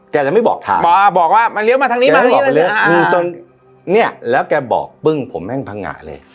แกจะไม่บอกถามอย่างนี้แล้วแกบอกผมแม่งพังงะเลย